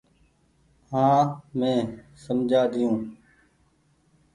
هآنٚ مينٚ سمجهآ ۮيو